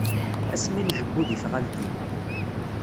Ass mi njebbu di tɣaltin.